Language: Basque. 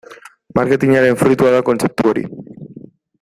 Marketingaren fruitua da kontzeptu hori.